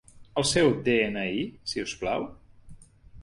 El seu de-ena-i si us plau?